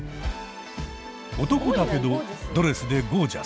男だけどドレスでゴージャス。